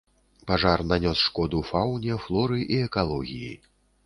Пажар нанёс шкоду фауне, флоры і экалогіі.